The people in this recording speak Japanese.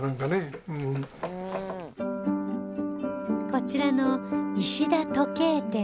こちらの石田時計店